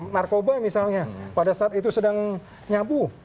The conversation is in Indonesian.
narkoba misalnya pada saat itu sedang nyapu